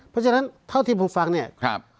เพราะฉะนั้นเท่าที่ผมฟังเนี่ย